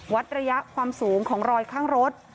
วัดระยะความสูงของรอยข้างรถ